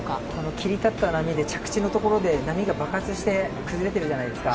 切り立った波で着地のところで波が爆発して、崩れてるじゃないですか。